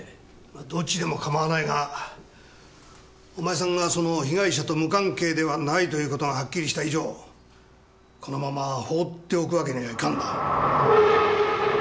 まあどっちでも構わないがお前さんがその被害者と無関係ではないということがはっきりした以上このまま放っておくわけにはいかんな。